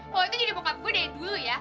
paul itu jadi bokap gue dari dulu ya